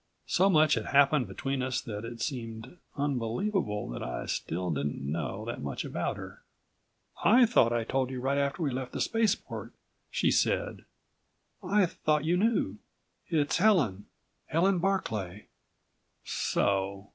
So much had happened between us that it seemed unbelievable that I still didn't know that much about her. "I thought I told you right after we left the spaceport," she said. "I thought you knew. It's Helen ... Helen Barclay." So